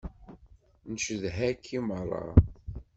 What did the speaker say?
Ncedha-k i meṛṛa.